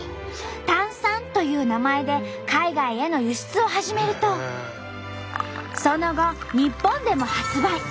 「タンサン」という名前で海外への輸出を始めるとその後日本でも発売。